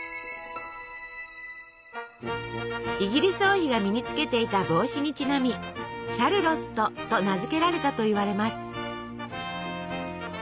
イギリス王妃が身につけていた帽子にちなみ「シャルロット」と名付けられたといわれます。